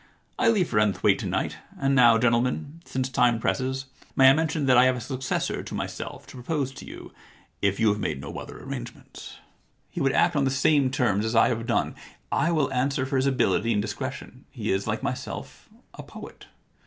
I leave for Enthwaite to night. And now, gentlemen, since time presses, may I mention that I have a successor to myself to propose to you, 122 The Identity Problem if you have made no other arrangements ? He would act on the same terms as I have done. I will answer for his ability and dis cretion. He is, like myself, a poet.